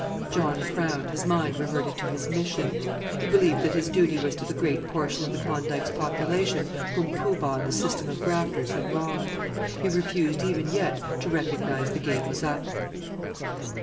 '" John frowned; his mind reverted to his "Mission." He believed that his duty was to the great portion of the Klondike's population whom Poo Bah and the system of grafters had wronged. He refused even yet to recognize the game was up.